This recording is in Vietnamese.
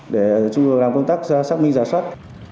để chúng tôi làm công tác xác minh giả soát